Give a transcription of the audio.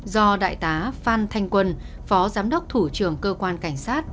do đại tá phan thanh quân phó giám đốc thủ trưởng cơ quan cảnh sát